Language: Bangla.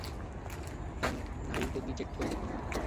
তার নাড়ির গতি চেক করে দেখুন।